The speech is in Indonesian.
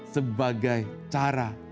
sebagai cara makhluknya